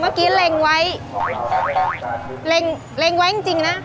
เมื่อกี้เล็งไว้เล็งไว้จริงนะ